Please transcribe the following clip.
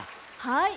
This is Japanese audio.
はい。